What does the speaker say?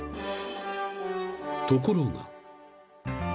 ［ところが］